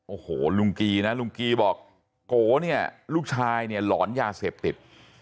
โอ้โหลุงกี้นะลุงกี้บอกโก๋เนี่ยลูกชายลรอญาเสพติด